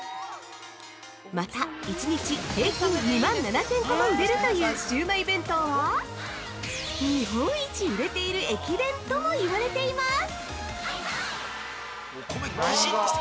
また、１日平均２万７０００個も売れるというシウマイ弁当は日本一売れている駅弁とも言われています！